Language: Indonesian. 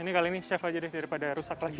ini kali ini chef aja deh daripada rusak lagi